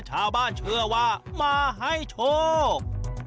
ชาวบ้านเชื่อว่ามาให้โชค